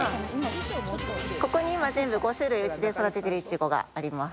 ここに今、全部５種類、うちで育ててるいちごがあります。